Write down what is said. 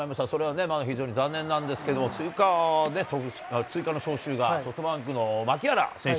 それは非常に残念なんですけど、追加の招集がソフトバンクの牧原選手。